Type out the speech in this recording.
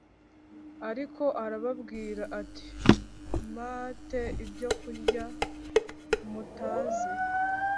Ariko arababwira ati m te ibyokurya mutazi